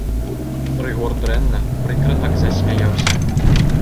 Рыгор дрэнна, прыкра так засмяяўся.